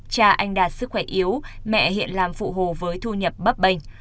cha anh đạt sức khỏe yếu mẹ hiện làm phụ hồ với thu nhập bắp bệnh